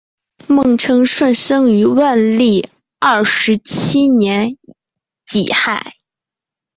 孟称舜生于万历二十七年己亥。